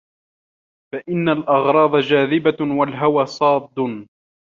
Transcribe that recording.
فَإِنَّ الْأَغْرَاضَ جَاذِبَةٌ وَالْهَوَى صَادٌّ